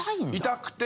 痛くて。